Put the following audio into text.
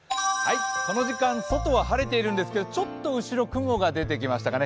この時間、外は晴れているんですけどちょっと後ろ、雲が出てきましたかね。